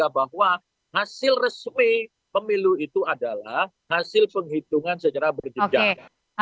bahwa hasil resmi pemilu itu adalah hasil penghitungan secara berjenjang